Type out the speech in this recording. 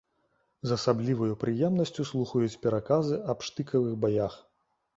З асабліваю прыемнасцю слухаюць пераказы аб штыкавых баях.